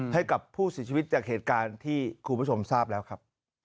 ให้กับผู้เสียชีวิตจากเหตุการณ์ที่คุณผู้ชมทราบแล้วครับ